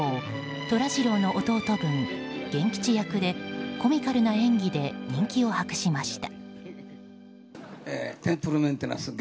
寅次郎の弟分源吉役でコミカルな演技で人気を博しました。